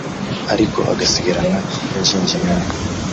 ariko agasigarana ingingimira